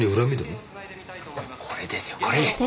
これですよこれ！